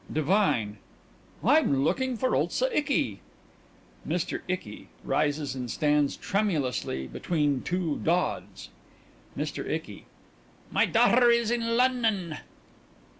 DIVINE: I am looking for Ulsa Icky. (MR. ICKY rises and stands tremulously between two dods.) MR. ICKY: My daughter is in Lunnon.